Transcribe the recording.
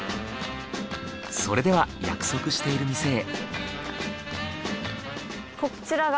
それでは約束している店へ。